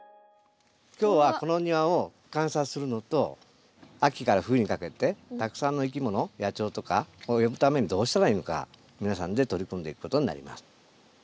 今日はこの庭を観察するのと秋から冬にかけてたくさんのいきもの野鳥とかを呼ぶためにどうしたらいいのか皆さんで取り組んでいくことになります。